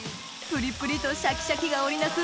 プリプリとシャキシャキが織りなす